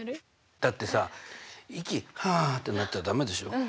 だってさ息はってなっちゃ駄目でしょう。